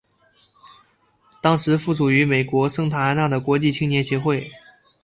当时附属于美国圣塔安娜的国际青年协会。